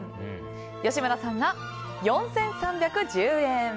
吉村さんが４３１０円。